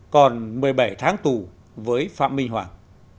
còn một mươi bảy tháng tù với phạm minh hoàng